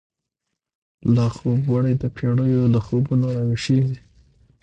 لاخوب وړی دپیړیو، له خوبونو راویښیږی